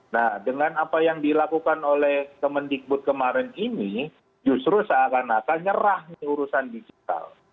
nah dengan apa yang dilakukan oleh kemendikbud kemarin ini justru seakan akan nyerah nih urusan digital